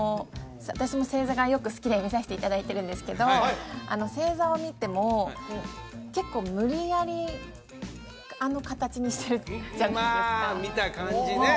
私も星座がよく好きで見させていただいてるんですけど星座を見ても結構無理やりあの形にしてるじゃないですかまあ見た感じね